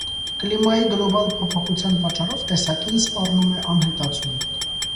Կլիմայի գլոբալ փոփոխության պատճառով տեսակին սպառնում է անհետացում։